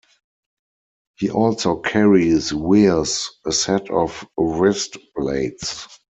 He also carries wears a set of wrist blades.